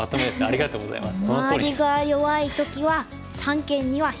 ありがとうございます！